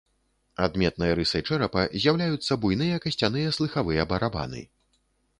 Адметнай рысай чэрапа з'яўляюцца буйныя касцяныя слыхавыя барабаны.